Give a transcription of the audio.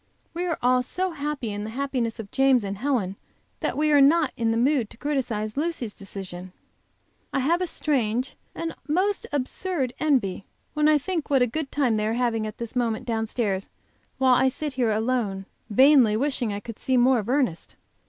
We are all so happy in the happiness of James and Helen that we are not in the mood to criticise Lucy's decision. I have a strange and most absurd envy when I think what a good time they are having at this moment downstairs, while I sit here alone, vainly wishing I could see more of Ernest.